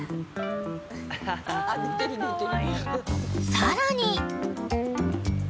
［さらに］